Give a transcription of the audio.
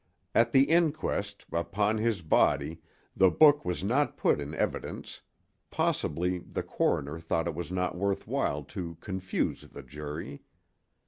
At the inquest upon his body the book was not put in evidence; possibly the coroner thought it not worth while to confuse the jury.